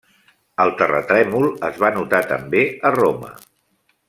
El terratrèmol es va notar també a Roma.